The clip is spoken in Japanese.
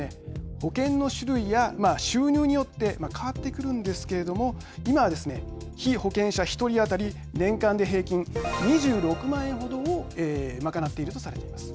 保険の種類や収入によって変わってくるんですけれども今はですね、被保険者１人当たり年間で平均２６万円ほどを賄っているとされています。